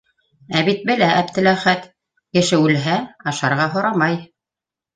Ә бит белә Әптеләхәт: кеше үлһә, ашарға һорамай.